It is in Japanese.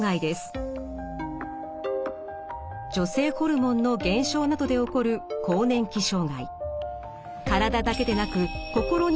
女性ホルモンの減少などで起こる現れます。